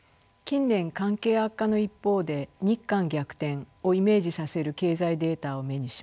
近年関係悪化の一方で日韓逆転をイメージさせる経済データを目にします。